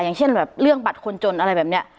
อย่างเช่นแบบเรื่องบัตรคนจนอะไรแบบนี้